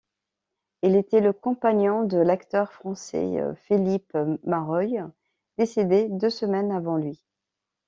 Il était le compagnon de l'acteur français Philippe Mareuil, décédé deux semaines avant lui.